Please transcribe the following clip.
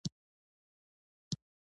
د فرضي طواف او سعيې لپاره راروان شوو.